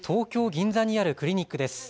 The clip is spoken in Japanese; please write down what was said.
銀座にあるクリニックです。